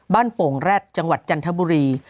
บ้านโป่งแรทจังหวัดจันทบุรี